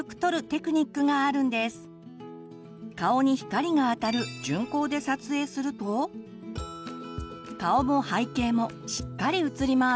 顔に光があたる順光で撮影すると顔も背景もしっかり写ります。